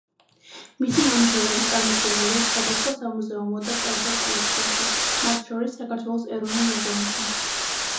მისი ნამუშევრები წარმოდგენილია სხვადასხვა სამუზეუმო და კერძო კოლექციაში, მათ შორის, საქართველოს ეროვნულ მუზეუმში.